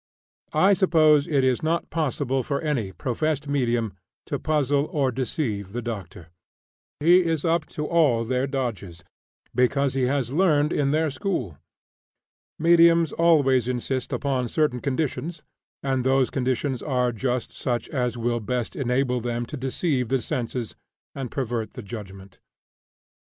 I suppose it is not possible for any professed medium to puzzle or deceive the doctor. He is up to all their "dodges," because he has learned in their school. Mediums always insist upon certain conditions, and those conditions are just such as will best enable them to deceive the senses and pervert the judgment.